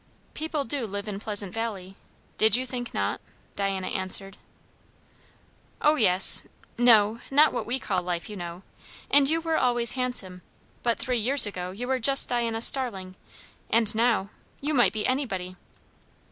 "People do live in Pleasant Valley. Did you think not?" Diana answered. "O yes. No. Not what we call life, you know. And you were always handsome; but three years ago you were just Diana Starling, and now you might be anybody!"